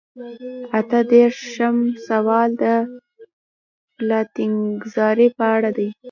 اته دېرشم سوال د پلانګذارۍ په اړه دی.